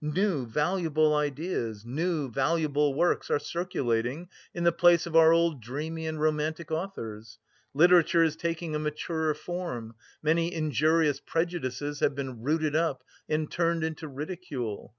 New valuable ideas, new valuable works are circulating in the place of our old dreamy and romantic authors. Literature is taking a maturer form, many injurious prejudices have been rooted up and turned into ridicule....